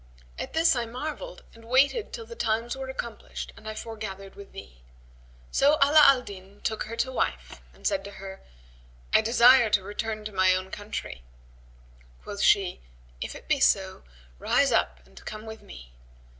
At this I marvelled and waited till the times were accomplished and I foregathered with thee." So Ala al Din took her to wife and said to her, "I desire to return to my own country." Quoth she, "If it be so, rise up and come with me."